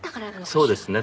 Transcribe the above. そうですね。